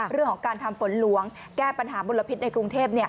เรื่องของการทำฝนหลวงแก้ปัญหามลพิษในกรุงเทพ